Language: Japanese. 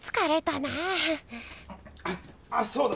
あっそうだ！